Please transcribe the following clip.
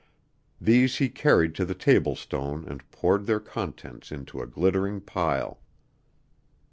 These he carried to the table stone and poured their contents into a glittering pile.